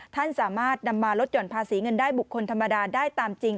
ท่านสามารถนำมาลดหย่อนภาษีเงินได้บุคคลธรรมดาได้ตามจริง